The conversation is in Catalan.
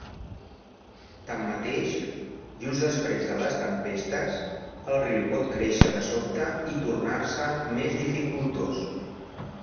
Tanmateix, just després de les tempestes, el riu pot créixer de sobte i tornar-se més dificultós.